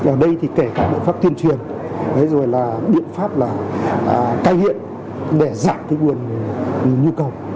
ở đây thì kể cả biện pháp tuyên truyền biện pháp cai hiện để giảm nguyên nhu cầu